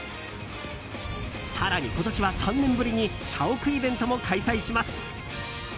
更に今年は３年ぶりに社屋イベントも開催します！